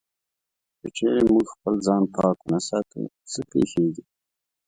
که چېرې موږ خپل ځان پاک و نه ساتو، څه پېښيږي؟